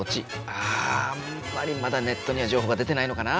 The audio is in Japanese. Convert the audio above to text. ああんまりまだネットには情報が出てないのかな？